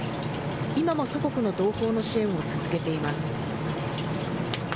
今も祖国の同胞の支援を続けています。